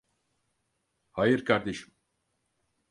Hayır kardeşim.